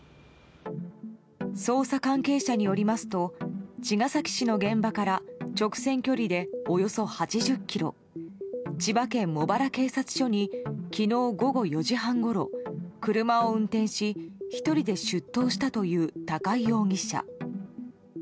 捜査関係者によりますと茅ヶ崎市の現場から直線距離でおよそ８０ｋｍ千葉県茂原警察署に昨日午後４時半ごろ車を運転し１人で出頭したという高井容疑者。